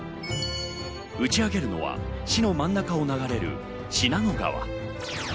打ち上げるのは市の真ん中を流れる信濃川。